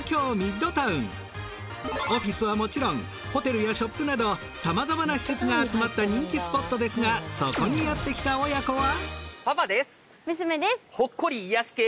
オフィスはもちろんホテルやショップなどさまざまな施設が集まった人気スポットですがそこにやってきた親子は？